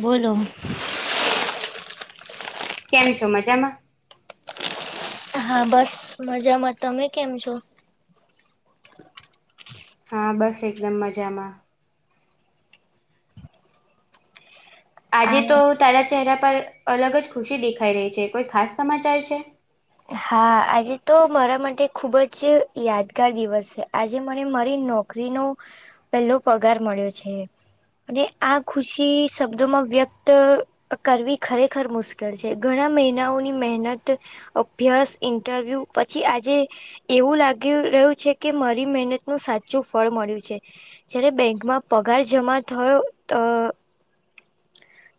બોલો. કેમ છો? મજામાં. હા બસ મજામાં. તમે કેમ છો? હા બસ એકદમ મજામાં. આજે તો આ તારા ચહેરા પર અલગ જ ખુશી દેખાઈ રહી છે કોઈ ખાસ સમાચાર છે. હા આજે તો મારા માટે ખૂબ જ યાદગાર દિવસ છે. આજે મને મારી નોકરીનો પહેલો પગાર મળ્યો છે અને આ ખુશી શબ્દોમાં વ્યક્ત કરવી ખરેખર મુશ્કેલ છે. ઘણા મહિનાઓની મહેનત, અભ્યાસ ઇન્ટરવ્યૂ પછી આજે એવું લાગી રહ્યું છે કે મારી મહેનત નું સાચું ફળ મળ્યું છે. જયારે બેંકમાં પગાર જમા થયો તો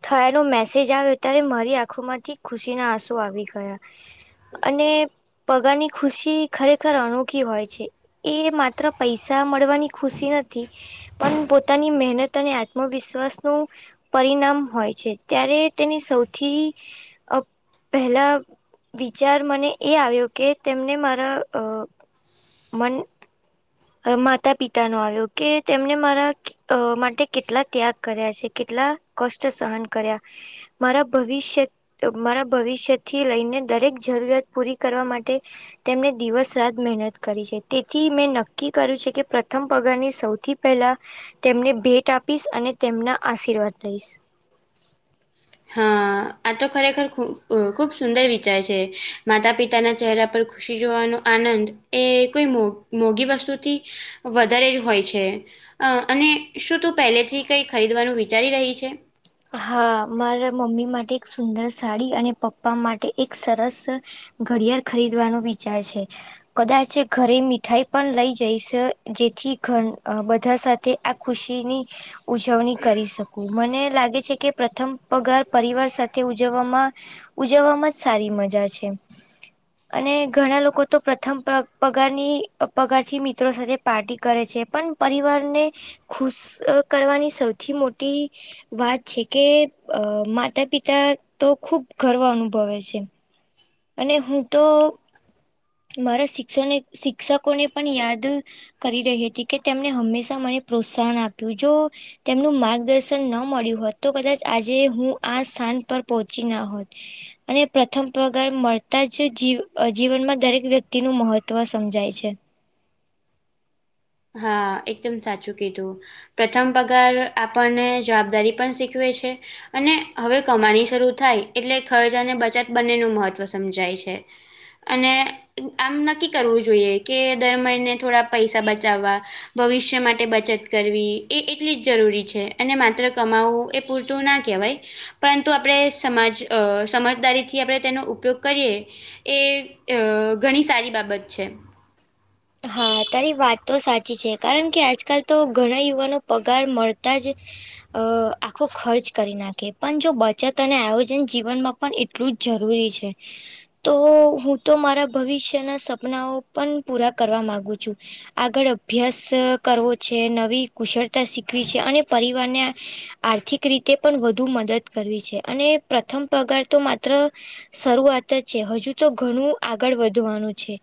થયાનો મેસેજ આવ્યો ત્યારે મારી આંખો માંથી ખુશીના આંસુઓ આવી ગયા. અને પગારની ખુશી ખરેખર અનોખી હોય છે. એ માત્ર પૈસા મળવાની ખુશી નથી. પણ પોતાની મહેનત અને આત્મવિશ્વાસ નું પરિણામ હોય છે ત્યારે તેની સૌથી પેહેલા, વિચાર મને એ આવ્યો કે તેમને મારા મન માતા પિતા નો આવ્યો કે તેમને મારા માટે કેટલા ત્યાગ કર્યા છે કેટલા કષ્ટ સહન કર્યા મારા ભવિષ્ય તેઓ મારા ભવિષ્યથી લઈને દરેક જરૂરિયાત પૂરી કરવા માટે તેમને દિવસ રાત મહેનત કરી છે તેથી મેં નક્કી કર્યું છે કે પ્રથમ પગારની સૌથી પહેલા તેમને ભેટ આપીશ અને તેમના આશીર્વાદ લઈશ. હા. આતો ખરેખર ખુબ સુંદર વિચાર છે. માતા પિતાના ચહેરા પર ખુશી જોવાનો આનંદ એ કોઈ મોઘી વસ્તુથી વધારે જ હોય છે. અને શું તું પહેલેથી કઈ ખરીદવાનું વિચારી રહી છે. હા મારા મમ્મી માટે એક સુંદર સાડી અને પપ્પા માટે એક સરસ ઘડિયાળ ખરીદવાનો વિચાર છે. કદાચ એ ઘરે મીઠાઈ પણ લઈ જઈશ, જેથી ધરે બધા સાથે આ ખુશીની ઉજવણી કરી શકું. મને લાગે લાગે છે કે પ્રથમ પગાર પરિવાર સાથે ઉજવામાં ઉજવવામાં જ સારી મજા છે. અને ઘણા લોકો તો પ્રથમ પગારની મિત્રો સાથે પાર્ટી કરે છે, પણ પરિવારને ખુશ કરવાની સૌથી મોટી વાત છે કે માતા-પિતા તો ખુબ ગર્વ અનુભવે છે. અને હું તો મારા શિક્ષણને શિક્ષકોને પણ યાદ કરી રહી હતી કે તેમને હંમેશા મને પ્રોત્સાહન આપ્યું જો તેમનું માર્ગદર્શન ન મળ્યું હોત તો કદાચ આજે હું આ સ્થાન પર પહોંચી ના હોત. અને પ્રથમ પગાર મળતા જ જીવ જીવનમાં દરેક વ્યક્તિનું મહત્વ સમજાય છે. હા એકદમ સાચું કીધું. પ્રથમ પગાર આપડને જવાબદારી પણ શીખવે છે. અને હવે કમાણી શરૂ થાય એટલે ખર્ચ અને બચત બંનેનું મહત્વ સમજાય છે. અને આમ નક્કી કરવું જોઈએ કે દર મહિને થોડા પૈસા બ ચાવવા ભવિષ્ય માટે બચત કરવી એ એટલી જ જરૂરી છે, અને માત્ર કમાવું એ પૂરતું ના કેવાય પરંતુ આપડે સમાજ અ સમાજદારીથી આપડે તેનો ઉપયોગ કરીએ એ અ ઘણી સારી બાબત છે. હા તારી વાત તો સાચી છે. કારણ કે આજકાલ તો ઘણા યુવાનો પગાર મળતા જ અ આખો ખર્ચ કરી નાખે પણ જો બચત અને આયોજન જીવનમાં પણ એટલું જ જરૂરી છે. તો હું તો મારા ભવિષ્યના સપનાઓ પણ પૂરા કરવા માંગુ છું. આગળ અભ્યાસ કરવો છે, નવી કુશળતા શીખવી છે, ને પરિવારને આર્થિક રીતે પણ વધુ મદદ કરવી છે. અને પ્રથમ પગાર તો માત્ર શરૂઆત જ છે, હજુ તો ઘણું આગળ વધવાનું છે.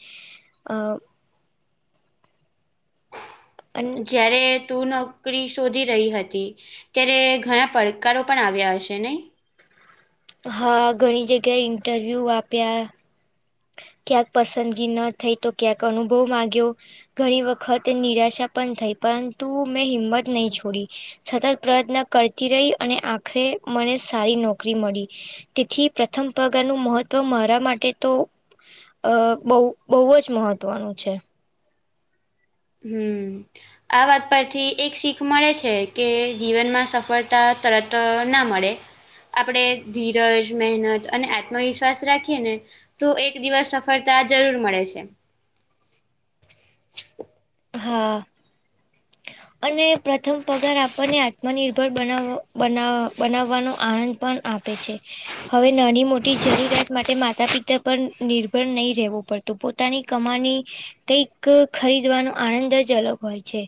અ અન જ્યારે તું નોકરી શોધી રહી હતી. ત્યારે ઘણા પડકારો પણ આવ્યા હશે નઈ? હ ઘણી જગ્યાએ ઇન્ટરવ્યૂ આપ્યા ક્યાંક પસંદગી ન થઈ તો ક્યાંક અનુભવ માંગ્યો ઘણી વખત નિરાશા પણ થઈ પરંતુ મે હિંમત નઈ છોડી સતત પ્રયત્ન કરતી રઈ અને આખરે મને સારી નોકરી મળી તેથી પ્રથમ પગારનું મહત્વ મારા માટે તો અ બઉ બઉ જ મહત્વનું છે. હમ્મ. આ વાત પરથી એક શીખ મળે છે, કે જીવનમાં સફળતા તરત ના મળે આપડે ધીરજ, મહેનત અને આત્મવિશ્વાસ રાખીએને તો એક દિવસ સફળતા જરૂર મળે છે. [inaudible] હા. અને પ્રથમ પગાર આપડને આત્મનિર્ભર બનાવ બના બનાવાનો આનંદ પણ આ પે છે. હવે નાની મોટી જરૂરિયાત માટે માતા-પિતા પર નિર્ભર નઈ રહેવુ પ તું પોતાની કમાણી કઈક ખરીદવાનો આનંદ જ અલગ હોય છે.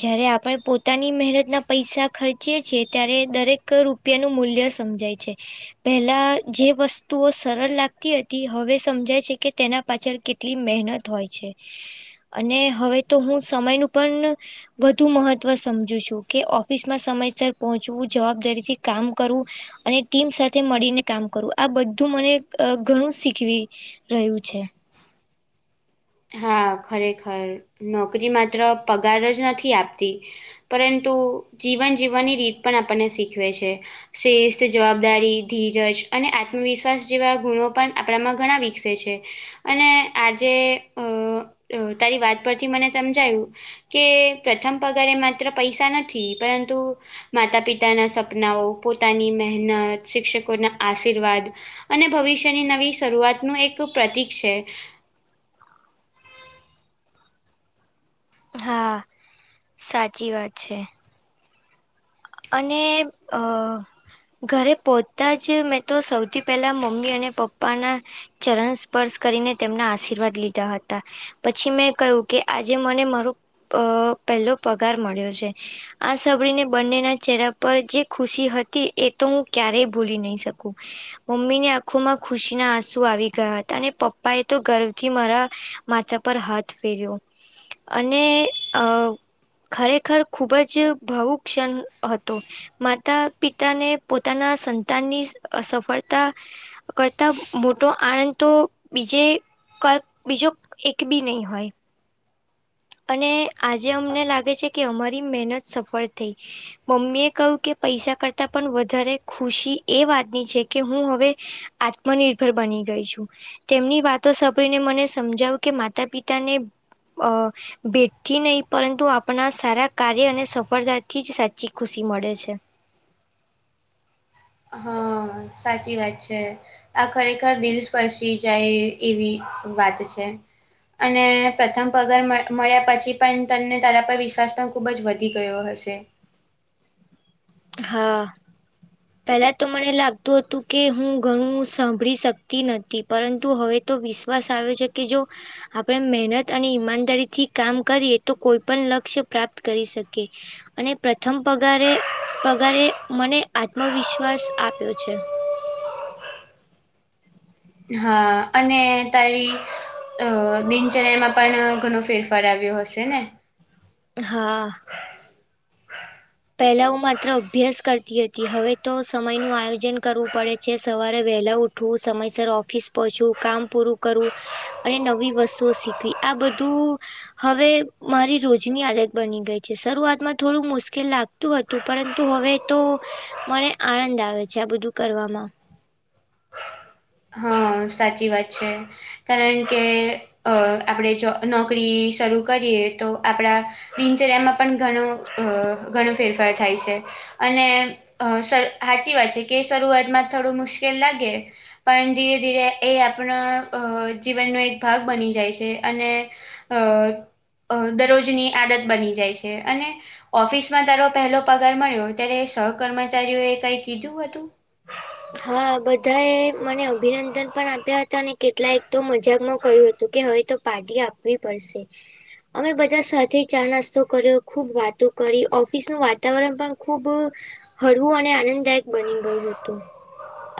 જયારે આપડે પોતાની મહેનતના પૈસા ખર્ચીએ છીએ ત્યારે દરે ક રૂપિયાનું મૂલ્ય સમજાય છે. પેહલા જે વસ્તુઓ સરળ લાગતી હતી હવે સમજાય છે, કે તેના પાછળ કેટલી મહેનત હોય છે, અને હવે તો હું સમયનું પણ વધુ મહત્વ સમજુ છું કે ઓફિસમાં સમયસર પહોંચવું જવાબદારીથી કામ કરવું અને ટીમ સાથે મળીને કામ કરવું આ બધું મને ઘણું શીખવી રહ્યું છે. હા ખરેખર નોકરી માત્ર પગાર જ નથી આપતી પરંતુ જીવન જીવવાની રીત પણ આપણને શીખવે છે. શ્રેષ્ઠ જવાબદારી, ધીરજ અને આત્મવિશ્વાસ જેવા ગુણો પણ આપણામાં ઘણા વિકસે છે. અને આજે અ તારી વાત પરથી મને સમજાયું. કે પ્રથમ પગારે માત્ર પૈસા નથી પરંતુ. માતા પિતાના સપનાઓ પોતાની મહેનત શિક્ષકોના આશીર્વાદ. અને ભવિષ્યની નવી શરૂઆતનું એક પ્રતિક છે. હા સાચી વાત છે. અને અં ઘરે પોહતા જ મેં તો સૌથી પહેલા અને મમ્મી અને પપ્પા ના. ચરણ સ્પર્શ કરીને તેમના આશીર્વાદ લીધા હતા. પછી મેં કહ્યું કે આજે મને મારો અ પહેલો પગાર મળ્યો છે. આ સાંભળીને બંનેના જ. ચહેરા પર જે ખુશી હતી એ તો હું ક્યારેય ભૂલી નહી શકું. મમ્મી ની આંખો માં ખુશી ના આંસુ આવી ગયા હતા અને પપ્પા એ તો ગર્વથી મારા. માથા પર હાથ ફેર્યો. અને અં ખરેખર ખુબ જ ભાવુક ક્ષણ. હતો, માતા પિતાને પોતાના સંતાનની સફળતા. કરતા તો મોટો આનંદ તો બીજે. કોઈક બીજો એક ભી નહી હોય. અને આજે અમને લાગે છે કે અમારી મહેનત સફળ થઈ. મમ્મી એ કહ્યું કે પૈસા કરતા પણ વધારે ખુશી એ વાતની છે કે હું હવે. આત્મનિર્ભર બની ગઈ છું. તેમની વાતો સાંભળને મને સમજાવું કે માતા પિતા ને અં ભેઠથી નહી પરંતુ આપણા સારા કાર્ય અને સફળતા થી જ સાચી ખુશી મળે છે. હં સાચી વાત છે. આ ખરેખર દિલ સ્પર્શી જાય એવી વાત છે. અને પ્રથમ પગાર મળ્યા પછી પણ તને તારા પર વિશ્વાસ પણ ખૂબ જ વધી ગયો હશે. હા પહેલા તો મને લાગતું હતું કે હું ઘણું સાંભળી શકતી નથી. પરંતુ હવે તો વિશ્વાસ આવે છે કે જો. આપડે મહેનત અને ઈમાનદારીથી કામ કરીએ તો કોઈ પણ લક્ષ્ય પ્રાપ્ત કરી શકીએ. અને પ્રથમ પગારે પગારે મને આત્મવિશ્વાસ આપ્યો છે. હા અને તારી. અંઅ દિનચર્યા માં પણ ઘણો ફેરફાર આવ્યો હશે ને. હા પહેલા હુ માત્ર અભ્યાસ કરતી હતી હવે તો સમયનું આયોજન કરવું પડે છે સવારે વહેલા ઉઠ. હું સમયસર ઓફિસ પહોંયવુ કામ પૂરું કરું. અને નવી વસ્તુઓ શીખવી આ બધું. હવે મારી રોજની આદત બની ગઈ છે શરૂઆતમાં થોડું મુશ્કેલ લાગ. તુ હતું પરંતુ હવે તો મને આનંદ આવે છે આ બધું કરવામાં. હા, સાચી વાત છે કારણ કે. અ આપણેે જો નોકરી શરૂ કરીએ તો આપડા. દિનચર્યામાં પણ ઘણું અં ઘણો ફેરફાર થાય છે. અને અં હાચી વાત છે કે શરૂઆતમાં થોડું મુશ્કેલ લાગે. પણ ધીરે ધીરે એ આપણા જીવનનો એક ભાગ બની જાય છે અને. અ અ દરરોજની આદત બની જાય છે અને ઓફિસમાં તારો પહેલો પગાર મળ્યો ત્યારે સહ કર્મચારીઓએ કઈ કીધું હતું હા બધા એ મને અભિનંદન પણ આપ્યા હતા અને કેટલાય તો મજાકમાં કયુ હતું તો કે હવે તો પાર્ટી આપવી પડશે. અમે બધે સાથે ચા નાસ્તો કર્યો ખૂબ વાતો કરી ઓફિસ નુ વાતાવરણ પણ ખુબ હળવું અને આનંદદાયક બની ગયું હતું.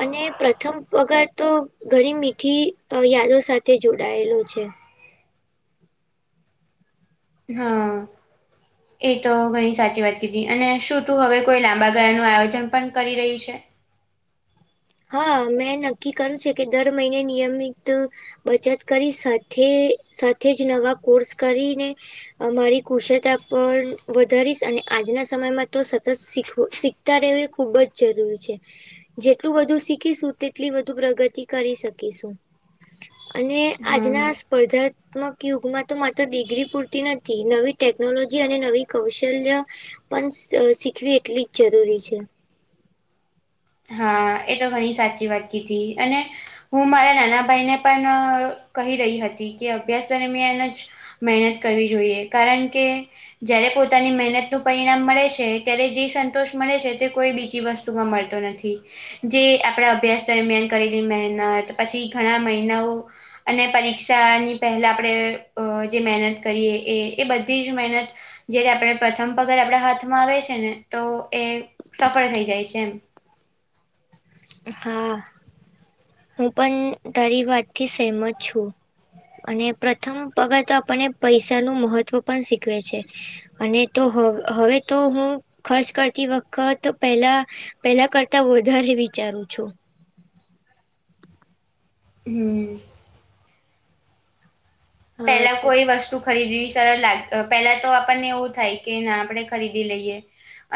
અને પ્રથમ પગાર તો ઘણી મીઠી અ યાદો સાથે જોડાયેલો છે. હા. [unintelligible] એ તો ઘણી સાચી વાત કીધી અને શું તું હવે કોઈ લાંબા ગાળાનું આયોજન પણ કરી રહી છે. હા મેં નક્કી કર્યું છે કે દર મહિને નિયમિત. બચત કરી સાથે સાથે જ નવા કોર્સ કરીને. અ મારી કુશળતા પર વધારીશ અને આજના સમયમાં તો સતત શીખવું શીખ અત્યારે બી ખુબ જ જરૂરી છે. એટલું બધું શીખીશું તેટલી વધુ પ્રગતિ કરી શકીશું અને હા. આજના સ્પર્ધા. તમક યુગમાં તો માત્ર ડિગ્રી પૂરતી નથી નવી ટેકનોલોજી અને નવી કૌશલ્ય પણ સ અ શીખવી એટલી જ જરૂરી છે. હા એ તો ઘણી સાચી વાત કીધી અને હું મારા નાના ભાઈને પણ કહી રહી હતી કે અભ્યાસ દરમિયાન જ મહેનત કરવી જોઈએ કારણ કે. જ્યારે પોતાની મહેનતનું પરિણામ મળે છે ત્યારે જે સંતોષ મળે છે તે કોઈ બીજી વસ્તુમાં મળતો નથી. જે આપણે અભ્યાસ દરમિયાન કરેલી મહેનત પછી ઘણા મહિનાઓ. અને પરીક્ષાની પહેલા આપણે અહ જે મહેનત કરીએ એ એ બધી જ મહેનત જયારે આપણે પ્રથમ પગાર આપડા હાથમાં આવે છે ને તો એ સફળ થઈ જાય છે એમ હા હું પણ તારી વાતથી સહેમત છું. અને પ્રથમ પગાર તો આપને પૈસા નું મહત્વ પણ શીખવે છે. અને તો હ હવે તો હું ખર્ચ કરતી વખત પેલા પેલા કરતા વધારે વિચારું છું. હમ. હા પેલા તો કોઈ વસ્તુ ખરીદવી સરળ લાગતો પેલા તો આપણને એવું થાય કે ના આપણે ખરીદી લઈએ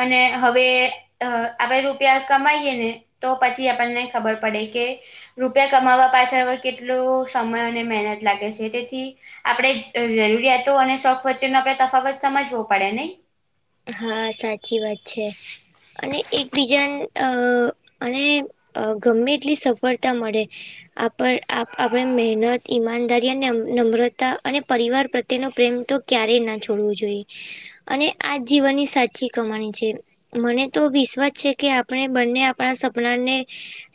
અને હવે અ આપડે રૂપિયા કમાઈએ ને તો પછી આપણને ખબર પડે કે. રૂપિયા કમાવવા પાછળ હવે કેટલુ સમય અને મહેનત લાગે છે તેથી આપણેે જ અહ જરૂરિયાતો અને શોખ વચ્ચેનો આપણે તફાવત સમજવો પડે નહી હા સાચી વાત છે અને એકબીજા અહ અને અ ગમે એટલી સફળતા મળે આપણ આપ આપણે મહેનત ઈમાનદારી અને નમ્રતા અને પરિવાર પ્રત્યેનો પ્રેમ તો ક્યારેય ના છોડવું જોઈએ અને આજ જીવનની સાચી કમાણી છે. મને તો વિશ્વાસ છે કે આપણે બંને આપણા સપનાને.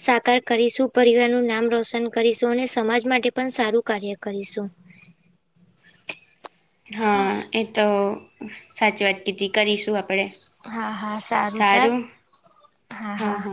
સાકાર કરીશું પરિવાર નું નામ રોશન કરીશું અને સમાજ માટે પણ સારું કાર્ય કરીશું. [inaudible] હા એ તો સાચી વાત કીધ કરીશું આપણે. હા હા સારું ચલ હા હા.